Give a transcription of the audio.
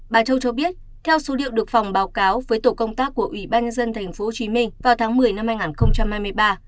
bà châu cho biết theo số liệu được phòng báo cáo với tổ công tác của ủy ban nhân dân tp hcm vào tháng một mươi năm hai nghìn hai mươi ba